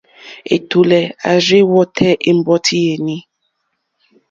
Ɛ̀tùlɛ̀ à rzí wɔ́tè ɛ̀mbɔ́tí yèní.